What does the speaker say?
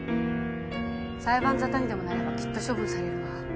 裁判ざたにでもなればきっと処分されるわ